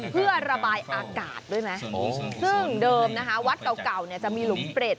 เพื่อระบายอากาศด้วยไหมซึ่งเดิมนะคะวัดเก่าเนี่ยจะมีหลุมเปรต